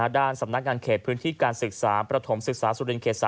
ด้านสำนักงานเขตพื้นที่การศึกษาประถมศึกษาสุรินเขต๓